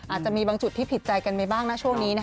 อาจจะมีบางจุดที่ผิดใจกันไปบ้างนะช่วงนี้